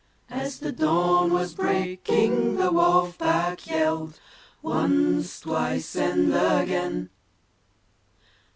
As the dawn was breaking the Wolf Pack yelled Once, twice and again!